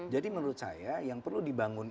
jadi menurut saya yang perlu dibangun